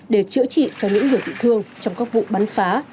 để chữa trị cho những người bị thương trong các vụ bắn phá